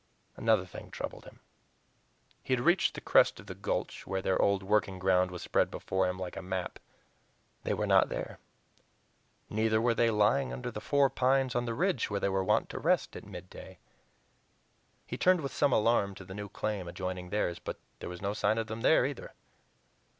Another thing troubled him. He had reached the crest of the Gulch, where their old working ground was spread before him like a map. They were not there; neither were they lying under the four pines on the ridge where they were wont to rest at midday. He turned with some alarm to the new claim adjoining theirs, but there was no sign of them there either.